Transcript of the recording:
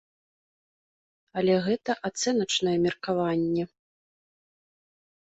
Але гэта ацэначнае меркаванне.